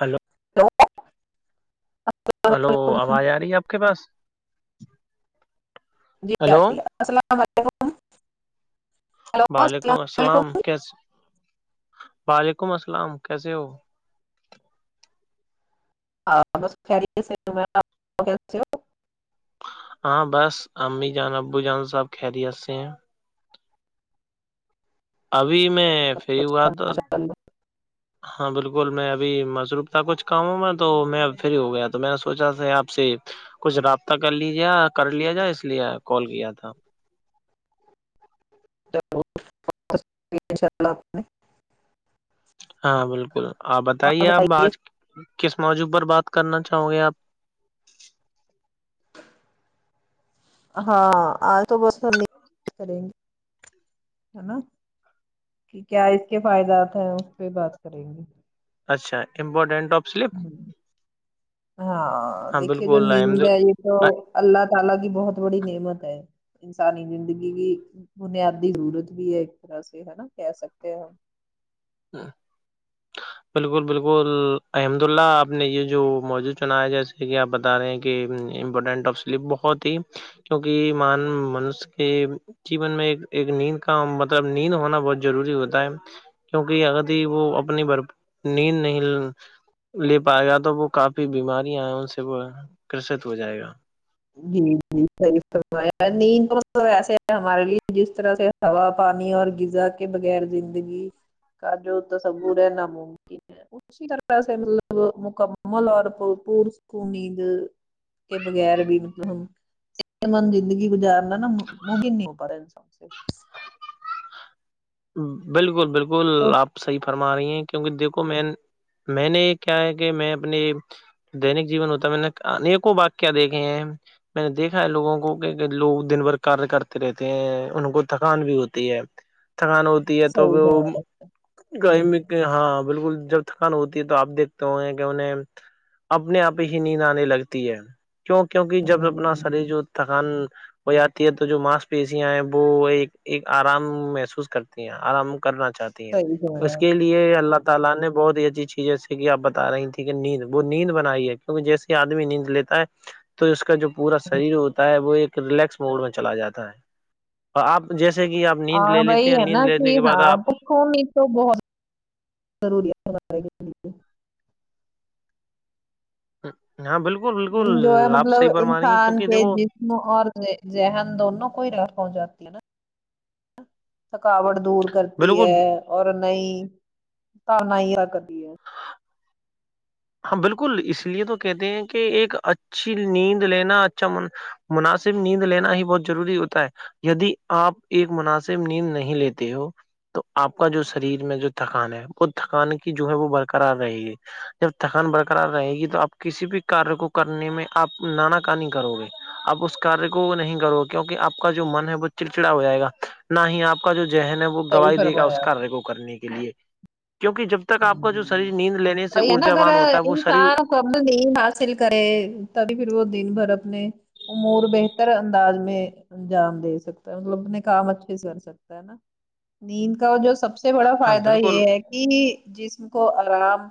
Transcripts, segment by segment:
Hello hello hello وعلیکم آواز آ رہی ہے آپ کے پاس جی آ ہلو السلام علیکم ہلو اللام علیکم س وعلیکم السلام کیسے ہو ہاں ب خری سے ہاں بس امی جان ابو جان سب خیریت سے ہیں [unintelligible] [unintelligible] ابھی میں فی ہو ہوا اچھا تو ماشاء [unintelligible] ہاں بالکل میں ابھی مصروف تھا کچھ کاموں میں تو میں اب فری ہو گیا تو میں نے سوچا تھا آپ سے کچھ رابطہ کر لیجے کر لیا جائے اس لیے کال کیا تھا [unintelligible] ہاں بالکل آپ بتائیے آپ آج کس موجوع پر بات کرنا چاہو گے آپ ہاں آج تو بس ہم کریں گے ہے نا کہ کیا اس کے فائدات ہیں اس پہ بات کریں گے اچھا امپورٹنٹ ہاں دیکھیے جو نیند ہے یہ تو احمد اللہ تعالی کی بہت بڑی نعمت ہے انسانی زندگی کی بنیادی ضرورت بھی ہے ایک طرح سے ہے نا کہہ سکتے ہیں ہاں [unintelligible] بالکل بالکل الحمد اللہ آپ نے یہ جو موجود چنایا ہے جیسے کہ آپ بتا رہے ہیں مپٹنٹف سلپ بہت ہی کیونک م منش کے جیون میں ایک ایک نیند کا مطلب نیند ہونا بہت ضروری ہوتا ہے کیونک ادھی وہ اپنی بھر نیند نہیں لے پائے گا تو وہ کافی بیماریاں ان سے وہ گست ہو جائے گا جی جیحی نیند تو ایسے ہے ہمارے لیے جس طرح سے ہوا پانی اور غذا کے بغیر زندگی کا جو تصور ہے ناممکن طر مکمل اور پ مد کے بغیر بھی مطلب ہم س مند زندگی گزارنا نا ممکن نہیں ہو پا رہا انسان سے بالکل بالکل تو آپ صحیح فرما رہی ہیں کیونکہ دیکھو میں میں نے یہ کیا ہے کہ میں اپنی دینک جیون ہوتا ہے میں نے انیکوں وا کیا دیکھے ہیں میں نے دیکھا ہے لوگوں کو کہ لوگ دن بھر کیہ کرتے رہتے ہیں ان کو تھکان بھی ہوتی ہے تھکان ہوتی ہے تو صحیح وہ جواب ہے. کہیں ہاں بالکل جب تھکان ہوتی ہے تو آپ دیکھتے ہو کہ انیں اپنے آپ ہی نیند آنے لگتی ہے کیوں کیونکہ جب اپنا ہوں، شری جو تھکان ہو جاتی ہے تو جو ماسک پیشیاں ہیں وہ ایک آرام محسوس کرتی ہیں آرام کرنا چاہتی ہیں صحیح اس جواب کے ہے. لیے اللہ [unintelligible] تو اس کا جو پورا شریر ہوتا ہے وہ ایک ریلیکس موڈ میں چلا جاتا ہے اور آپ جیسے کہ آپ نیند لے لی یہ ہے نا کہ ہاں پکھوں تو بہت ضری ہے ہاں بالکل نین جو ہے بالکل آپ مطلب صحیح فرما رہی ہیں انسان کیونکہ کے دیکھو جس اور ذہن دونوں کو ہی رر پہنچاتی ہے نا تھکاوٹ دور کرتی بالکل ہے اور نہیں تارنا ہی ر کرتی ہے ہاں بالکل اس لیے تو کہتے ہیں کہ ایک اچھی نیند لینا اچھا م مناسب نیند لینا ہی بہت ضروری ہوتا ہے یدی آپ ایک مناسب نیند نہیں لیتے ہو تو آپ کا جو شریر میں جو تھکان ہے وہ تھکان کی جو ہے وہ برقرار رہے گی جب تھکان برقرار رہے گی تو آپ کسی بھی کاریہ کو کرنے میں آپ نانااکانی کرو گے آپ اس کاریہ کو نہیں کرو کیونکہ آپ کا جو من ہے وہ چڑچڑا ہو جائے گا نہ ہی آپ کا جو ذہن ہے وہ صحیح گواہائی دے گا اس فرمایا آپ کار کو کرنے کے لیے کیونکہ جب تک آپ کا جو ہوں شریر نیند لینے سے نا گھر ارجاوان ہوتا ہے وہ یہ سا شریر کم نہیں حاصل کرے تبھی پھر وہ دن بھر اپنے امور بہتر انداز میں انجام دے سکتا ہے مطلب اپنے کام اچھے سے کر سکتا ہے نا نیند کا جو سب سے بڑا ہاں فائدہ بالکل یہ ہے کہ جسم کو آرام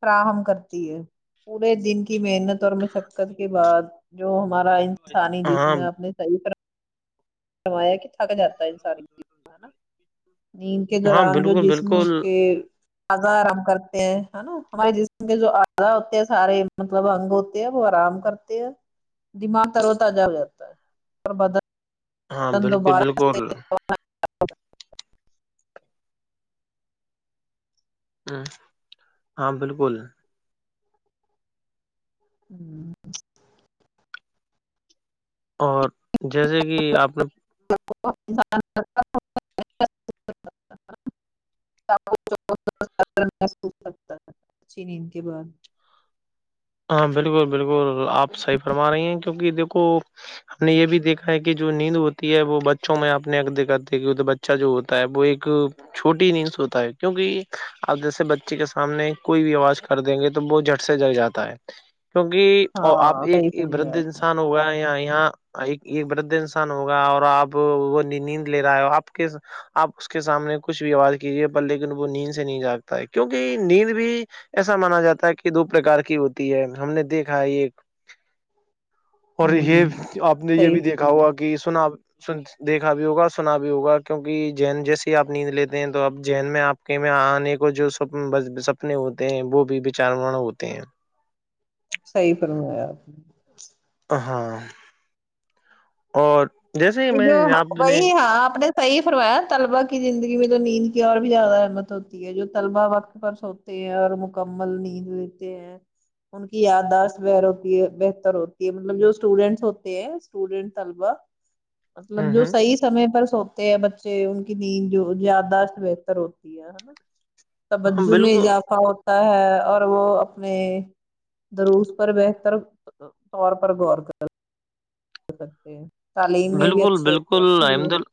فراہم کرتی ہے پورے دن کی محنت اور مشقت کے بعد جو ہمارا سانی جس ہاں میں اپنی صحی کر کمایا کہ تھک جا ہے ان ساری چیزوں ہےا نیند کے ہاں دوران جو بالکل جسم بالکل کے آزا آرام کرتے ہیں نا ہمارے جسم کے جو آزا ہوتے ہیں سارے مطلب اگ وہ آرام کرتے ہیں دماغ ترو تازہ ہو جاتا ہے پر بدل ہاں بالکل بالکل ہاں بالکل ہوں اور جیسے کہ آپ نے [unintelligible] ھی نیند کے بعد ہاں بالکل بالکل آپ صحیح فرما رہی ہیں کیونکہ دیکھو ہم نے یہ بھی دیکھا ہے کہ جو نیند ہوتی ہے وہ بچوں میں آ اپنے دیکھاتے ہے کی اچھا جو ہوتا ہے وہ ایک چھوٹی نہیں سوتا ہے کیوںکہ آپ جیسے بچے کے سامنے کوئی بھی آواز کر دیں گے تو بہت جھٹ سے جل جاتا ہے کیونک آپ ہاں ایک صحیح وردھ فرمایا آپ انسان ہو گا یہاں ایک ایک بردد انسان ہوگا اور آپ وہ نیند لے رہا ہے آپ کے آپ اس کے سامنے کچھ بھی آواز کیجیے پر لیکن وہ نیند سے نہیں جاگتا ہے کیونکہ نیند بھی ایسا مانا جاتا ہے کہ دو پرکار کی ہوتی ہے ہم نے دیکھا ہے ایک اور نے یہ ہوں آپ نے یہ صحیح بھی دیکھا فرمایا ہوا کہ سنا سن دیکھا بھی ہوگا سنا بھی ہوگا کیوںکہ جین جیسی آپ نیند لیتے ہیں تو اب جین میں آپ میں آنے کو جو س سپنے ہوتے ہیں وہ بھی وچار ہوتے ہیں صحی فرلمم آیا آپ نے ہاں اور جیسے ہی کہ میں جو نے آپ نے وہی ہاں اپ نے صی فروایا طلبا کی زندگی میں تو نیند کی اور بھی زیادہ احمت ہوتی ہے جو طلبا وقت پر سو ہیں اور مکمل نیند لیتے ہیں ان کی یاداشت ب ہوتی ہے بہتر ہوتی ہے مطلب جو اسٹوڈینٹس ہوتے ہیں اسٹوڈینٹ طلبہ مطلب ہوں جو ہوں، صحیح سمے پر سوتے ہیں بچے ان کی نیند جو زیادہ بہتر ہوتی ہے نا ہاں، توجہ میں بالکل اضافہ ہوتا ہے اور وہ اپنے دروس پر بہتر طور پر غور کر ہو سکتے ہیں تعلیم میں بھی بالکل اچھے ہوتے بالکل ہیں نا پھر وہ احمد اللہ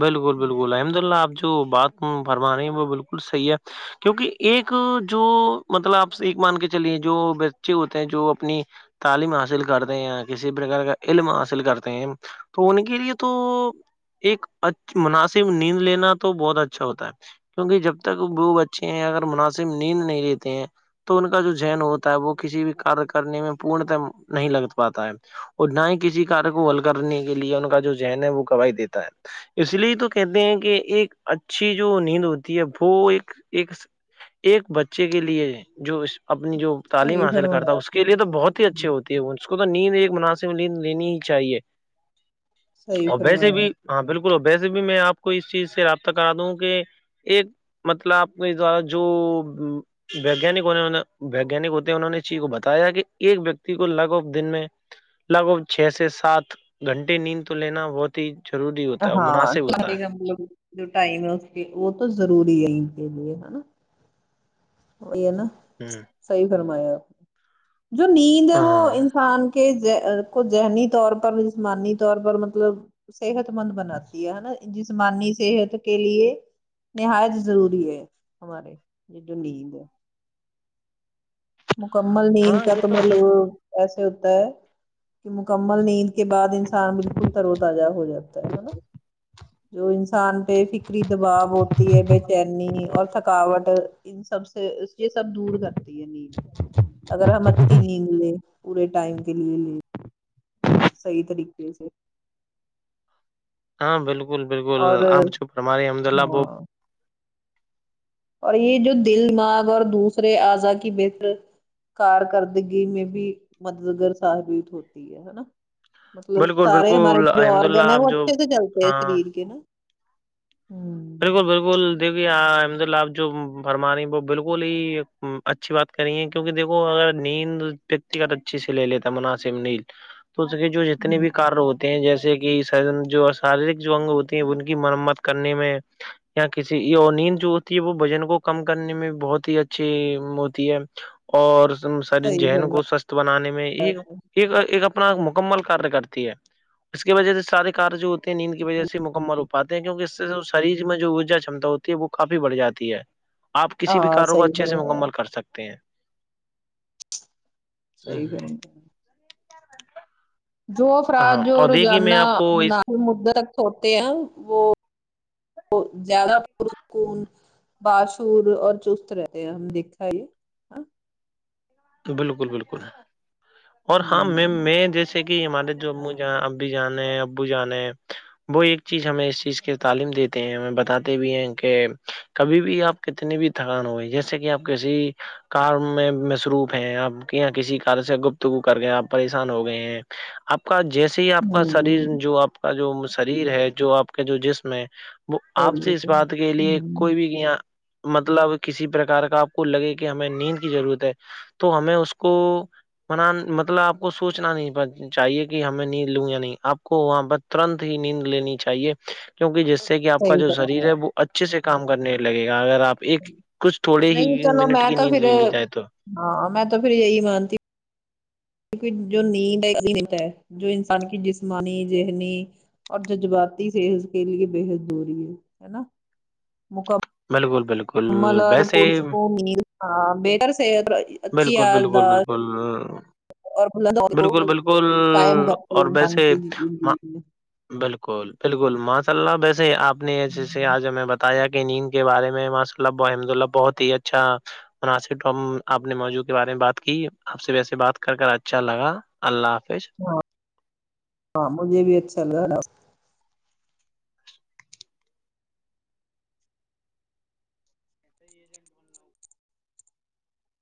بالکل ہوں، بالکل الحمد اللہ آپ جو بات ہوں فرمانے وہ بالکل صحیح ہے کیونکہ ایک جو مطلب آپ ایک مان کے چلیے جو بچے ہوتے ہیں جو اپنی تعلیم حاصل کرتے ہیں یا کسی پرکار کا علم حاصل کرتے ہیں تو ان کے لیے تو ایک مناسب نیند لینا تو بہت اچھا ہوتا ہے کیونکہ جب تک بوب بچے ہیں اگر مناسب نیند نہیں لیتے ہیں تو ان کا جو جن ہوتا ہے وہ کسی بھی کار کرنے میں پورنت نہیں لگ پاتا ہے اور نہ ہی کسی کاریہ کو حل کرنے کے لیے ان کا جو ذہن ہے وہ گوائی دیتا ہے اس لیے تو کہتے ہیں کہ ایک اچھی جو نیند ہوتی ہے وہ ایک ایک ایک بچے کے لیے جو اپنی جو تعلیم صحیح حاصل کرتا فرمایا ہے اس آپ کے نے۔ لیے تو بہت ہی اچھے ہوں، ہوتی ہے اس کو تو نیند ایک مناسب میں نیند لینی چاہیے صحیح اور ویسے فرمایا بھی ہاں بالکل ویسے بھی میں آپ کو اس چیز سے رابطہ کرا دوں کہ ایک مطلب آپ کو اس دوارا جو ویانکنے ویانک ہوتے ہیں انہوں نے چی کو بتایا کہ ایک ویکتی کو لگ آف دن میں لگ بھگ چھ سے سات گھنٹے نیند تو لینا بہت ضروری ہوتا ہے اور ہاں مناسب ہوتا چاہے ہے کہ ہم لوگ جو ٹائم رکھ کے وہ تو رور ہے د لی ہےا وہی ہے نا صحیح فرمایا آپ نے جو نیند ہے وہ ہاں انسان کے کو ذہنی طور پر جسمانی طور پر مطلب صحت مند بناتی ہے نا جسمانی صحت کے لیے نہایت ضروری ہے ہمارے نین ہے مکمل نیند ہاں کا یہ تو مطلب ایسے ہوتا ہے کہ مکمل نیند کے بعد انسان بالکل ترو تجہ ہو جاتا ہے نا جو ان انسان پہ فکری دباؤ ہوتی ہے بے چینی اور تھکاوٹ ان سب سے یہ سب دور کرتی ہے نید [unintelligible] اگر ہم اچھی نیند لیں پورے ٹائم کے لیے لے صحیح طریقے سے ہاں بالکل بالکل اور آپ ج پر ہمارے احمد اللہ ب ہاں اور یہ جو دلماغ اور دوسرے اعضاء کی بتر کارکردگی میں بھی مددگار ثابت ہوتی ہے ہے نا مطلب بالکل سارے ہمارے بالکل جو الحمد آرگن اللہ ہے وہ آپ جو اچھے سے چلتے ہے ہاں شریر کے نا ہوں بالکل بالکل دیکھیے احمد للہ آپ جو فرما رہی وہ بالکل ہی اچھی بات کریے کیونکہ دیکو اگر نیند ویکتیگت اچھی سے لے لیتا مناسب نید توے جو جتنے ہوں، بھی کار ہوتے ہیں جیسے کہ جو شارییرک جو اگ ہوتی ہیں ان کی مرمت کرنے میں یا کسی یہ نیند جو ہوتی ہے وہ وجن کو کم کرنے میں بہت ہی اچھی ہوتی ہے اور ساریے صحیح ذہن کو فرمایا س بنانے میں یہ ایک ایک اپنا مکمل کاریہ کرتی ہے اس کی وجہ سے سارے کار جو نیند کی وجہ سے مکمل ہو پاتے ہیں کیونک اس سے شریر میں جو ارجا چم ہوتی ہے وہ کافی بڑ جاتی ہے آپ کسی بھی ہاں کارو کو صحیح اچھے سے فرمایا مکمل کر سکتے ہیں صحی کروں گ جو افراد ہاں جو اور دیکھیے میں روزانہ آپ کو اس مناسب مدے تک ہوتے ہیں وہ زیادہ پرکون باشور اور چست رہتے ہیں ہم دیکھا یہ ہاں، بالکل بالکل اور ہاں میں ہوں میں جیس کہ ہمارے جو ابو ج اب بھی جانے ہے ابو جانے ہے وہ ایک چیز ہمیں اس چیز کی تعلیم دیتے ہیں ہمیں بتاتے بھی ہیں کہ کبھی بھی آپ کتنی بھی تھکان ہو گئی جیسے کہ آپ کسی کار میں مصروف ہیں آپ یہاں کسی کار سے گپتگو کر گئے ہیں آپ پریشان ہو گئے ہیں آپ کا جیسے ہی آپ کا شریر ہوں جو آپ کا جو شریر ہے جو آپ کا جو جسم ہے وہ صحیح آپ سے ہے اس بات کے لیے ہوں کوئی بھی کیا مطلب کسی پرک کا آپ کو لگے کہ ہمیں نیند کی ضرورت ہے تو ہمیں اس کو من مطلب آپ کو سوچنا نہیں پڑتا چاہیے کہ ہم میں نیند لوں یا نہیں آپ کو وہاں پر ترنت ہی نیند لینی چاہیے کیونکہ جس سے کہ آپ کا صحیح جو شریر فرمایا ہے وہ اچھے سے کام کرنے لگے گا اگر آپ ایک کچھ تھوڑے ہی نہیں چلو منٹ میں کی تو نیند پھر لے لی جائے تو ہاں میں تو پھر یہی مانتی کیونکہ جو نیند ہے ن ہے جو انسان کی جسمانی ذہنی اور جذباتی صحت کے لیے بےحد دوری ہے ہے نا مکم بالکل بالکل بکل ویسے پرسکون نیند ہاں بہتر صحت اور اچھی بالکل بالکل یاداشت بالکل اور بلند بالکل حوصلے کو بالکل قائم کرتی ہے اور انسان ویسے کی زندگی میں بالکل بالکل ماشاء اللہ ویسے آپ نے جیسے آج ہمیں بتایا کہ نیند کے بارے میں م اللہ وحمدلہ بہت ہی اچھا مناسب ٹاپ آپ نے موجوع کے بارے میں بات کی آپ سے ویسے بات کر کر اچھا لگا اللہ حافظ ہاں ہاں مجھے بھی اچھا ل دا